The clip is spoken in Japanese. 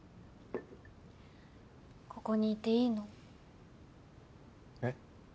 ここにいていいの？え？